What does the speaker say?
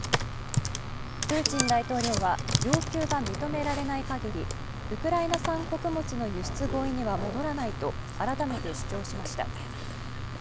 プーチン大統領は要求が認められない限り、ウクライナ産穀物の輸出合意には戻らないと改めて主張しました。